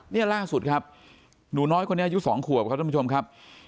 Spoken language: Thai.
นี่ล่าสุดครับหนูน้อยคนนี้อายุ๒ขวบครับท่านผู้ชมครับ